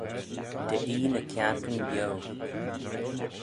Dy ee ny kiarkyn bio.